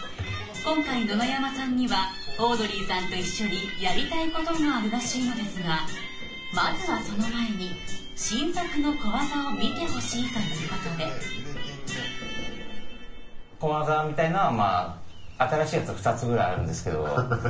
今回野々山さんにはオードリーさんと一緒にやりたいことがあるらしいのですがまずはその前に新作の小技を見てほしいということで小技みたいなのはまぁ新しいやつは２つぐらいあるんですけど。